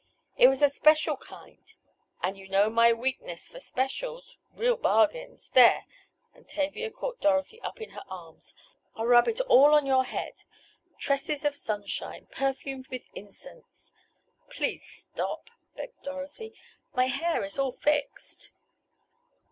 It was a special kind—" "And you know my weakness for specials—real bargains! There!" and Tavia caught Dorothy up in her arms. "I'll rub it all on your head. Tresses of sunshine, perfumed with incense!" "Please stop!" begged Dorothy. "My hair is all fixed!"